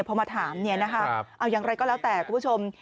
พอมาถามเนี่ยค่ะอย่างไรก็แล้วแต่กลุ่มผู้ชม